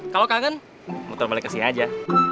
kalau kangen muter balik kesini aja